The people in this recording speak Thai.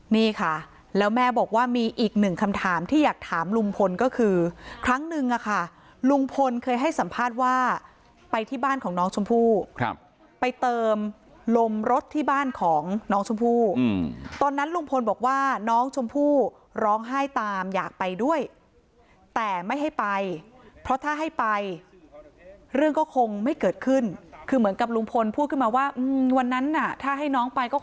นี่ค่ะแล้วแม่บอกว่ามีอีกหนึ่งคำถามที่อยากถามลุงพลก็คือครั้งนึงอะค่ะลุงพลเคยให้สัมภาษณ์ว่าไปที่บ้านของน้องชมพู่ไปเติมลมรถที่บ้านของน้องชมพู่ตอนนั้นลุงพลบอกว่าน้องชมพู่ร้องไห้ตามอยากไปด้วยแต่ไม่ให้ไปเพราะถ้าให้ไปเรื่องก็คงไม่เกิดขึ้นคือเหมือนกับลุงพลพูดขึ้นมาว่าวันนั้นน่ะถ้าให้น้องไปก็